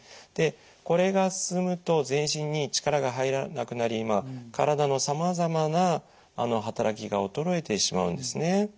でこれが進むと全身に力が入らなくなり体のさまざまな働きが衰えてしまうんですね。